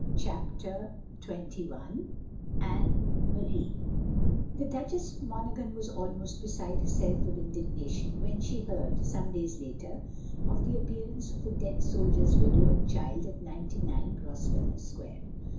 CHAPTER XXI ANNE MARIE Thb Duchess of Monaghan was almost beside herself with indignation when she heard, some days later, of the appearance of the dead soldier's widow and child at 99 Grosvenor Square.